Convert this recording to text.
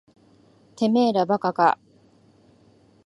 てめえら馬鹿か。